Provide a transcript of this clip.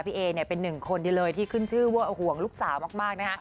เอเป็นหนึ่งคนที่เลยที่ขึ้นชื่อว่าห่วงลูกสาวมากนะฮะ